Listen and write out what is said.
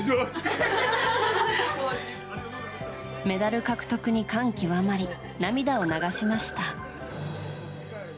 メダル獲得に感極まり涙を流しました。